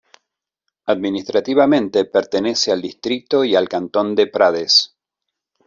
Administrativamente, pertenece al distrito y al cantón de Prades.